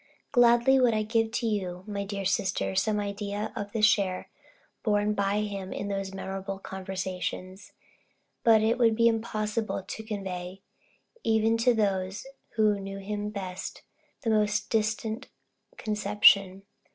Gladly would I give you, my dear sister, some idea of the share borne by him in those memorable conversations; but it would be impossible to convey, even to those who knew him best, the most distant conception.